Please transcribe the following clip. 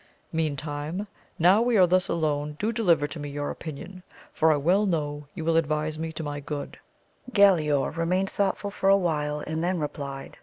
Meantime now we are thus alone do you deliver to me your opinion, for I well know you will advise me to my good. Galaor remained thoughtful for a while, and then replied.